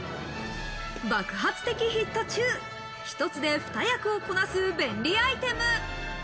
爆発的ヒット中、１つで２役をこなす便利アイテム。